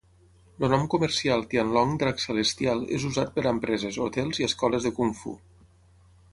El nom comercial Tianlong "Drac Celestial" és usat per empreses, hotels i escoles de kungfu.